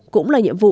cũng là nhiệm vụ